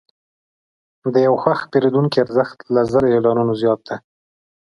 د یو خوښ پیرودونکي ارزښت له زر اعلانونو زیات دی.